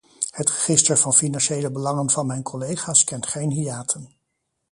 Het register van financiële belangen van mijn collega's kent geen hiaten.